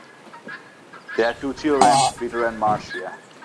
They had two children, Peter and Marcia.